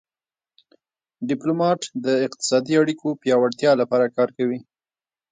ډیپلومات د اقتصادي اړیکو پیاوړتیا لپاره کار کوي